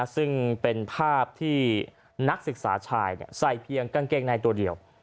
ซึ่งเป็นภาพที่นักศึกษาชายใส่เพียงกางเกงในตัวเดียว